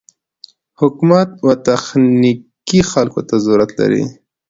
حکومت و تخنيکي خلکو ته ضرورت لري.